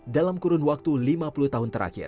dalam kurun waktu